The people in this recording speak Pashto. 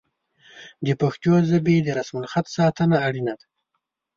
د پښتو ژبې د رسم الخط ساتنه اړینه ده.